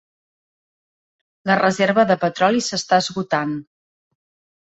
La reserva de petroli s'està esgotant.